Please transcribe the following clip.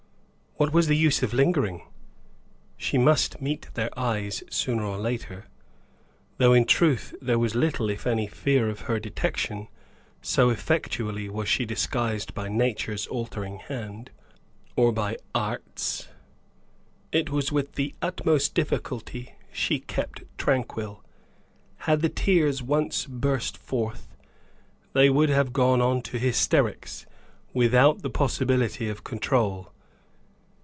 What was the use of lingering she must meet their eyes, sooner or later. Though, in truth, there was little, if any, fear of her detection, so effectually was she disguised by nature's altering hand, or by art's. It was with the utmost difficulty she kept tranquil. Had the tears once burst forth, they would have gone on to hysterics, without the possibility of control.